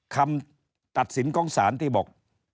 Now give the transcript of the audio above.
คำตัดสินของศาลที่บอก